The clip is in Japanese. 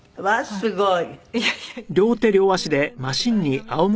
すごい。